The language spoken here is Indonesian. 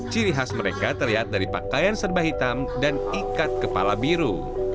ciri khas mereka terlihat dari pakaian serba hitam dan ikat kepala biru